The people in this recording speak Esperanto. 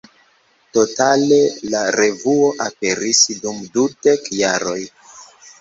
Totale la revuo aperis dum dudek jaroj.